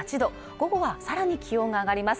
午後はさらに気温が上がります